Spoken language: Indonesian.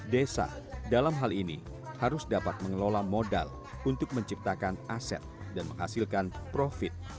desa dalam hal ini harus dapat mengelola modal untuk menciptakan aset dan menghasilkan profit